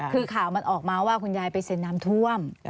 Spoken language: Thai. คือข่าวมันออกมาว่าคุณยายไปเซ็นน้ำท่วม